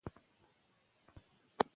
که تمدن وي نو کلتور نه ورکیږي.